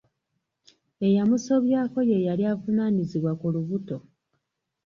Eyamusobyako ye yali avunaanyizibwa ku lubuto.